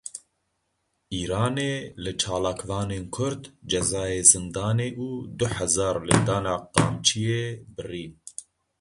Îranê li çalakvanên Kurd cezayê zindanê û du hezar lêdana qamçiyê birî.